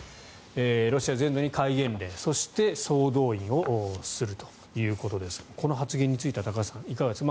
ロシア全土に戒厳令そして総動員をするということですがこの発言については高橋さんいかがですか。